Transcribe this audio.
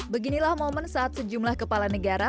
beginilah momen saat sejumlah kepala negara